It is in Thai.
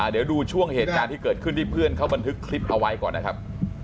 เดี๋ยวดูช่วงเหตุการณ์ที่เกิดขึ้นที่เพื่อนเขาบันทึกคลิปเอาไว้ก่อนนะครับ